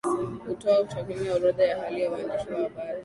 hutoa takwimu na orodha ya hali ya waandishi wa habari